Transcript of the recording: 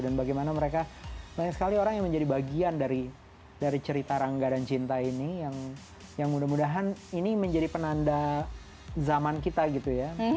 dan bagaimana mereka banyak sekali orang yang menjadi bagian dari cerita rangga dan cinta ini yang mudah mudahan ini menjadi penanda zaman kita gitu ya